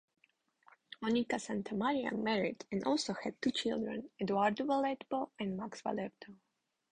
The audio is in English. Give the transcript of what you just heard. Monica Santamaria married and also had two children, Eduardo Valletbo and Max Valletbo.